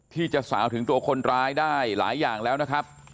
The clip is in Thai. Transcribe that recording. ที่จะสาวถึงตัวคนร้ายได้หลายอย่างแล้วนะครับ